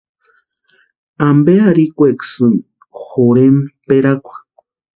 ¿Ampe arhikwekasïni jorhentpʼerakwa?